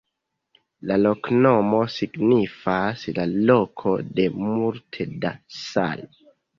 La loknomo signifas: "la loko de multe da salo".